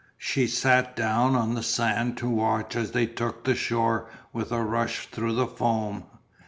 She sat down on the sand to watch as they took the shore with a rush through the foam.